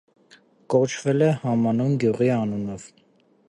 Կոչվել է համանուն գյուղի անունով։